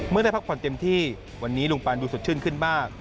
ได้พักผ่อนเต็มที่วันนี้ลุงปานดูสดชื่นขึ้นมาก